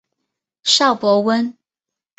邵伯温。